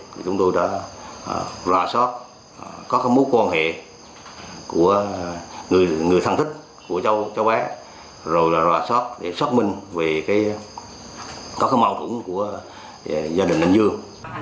thì chúng tôi đã ròa sóc các mối quan hệ của người thân thích của cháu bác rồi là ròa sóc để sóc minh về các mâu thuẫn của gia đình anh dương